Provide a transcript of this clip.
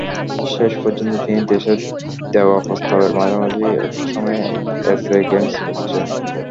শেষ পর্যন্ত তিন দেশের দেওয়া প্রস্তাবের মাঝামাঝি একটা সময়ে এসএ গেমস হচ্ছে।